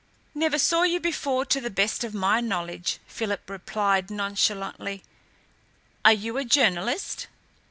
"Never saw you before, to the best of my knowledge," Philip replied nonchalantly. "Are you a journalist?"